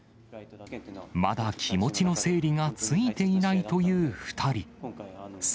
まだ気持ちの整理がついていないという２人。